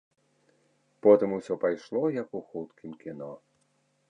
Потым усё пайшло, як у хуткім кіно.